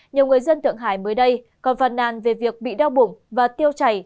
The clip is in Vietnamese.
nhiều người dân thượng hải mới đây còn phàn nàn về việc bị đau bụng và tiêu chảy